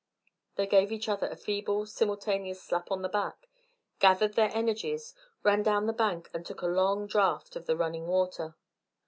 They gave each other a feeble simultaneous slap on the back, gathered their energies, ran down the bank, and took a long draught of the running water.